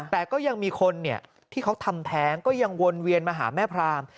แต่ก็ยังมีคนที่เขาทำแท้งก็ยังวนเวียนมาหาแม่พราม